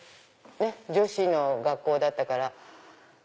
女子の学校だったから。